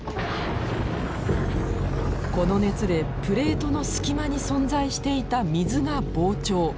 この熱でプレートの隙間に存在していた水が膨張。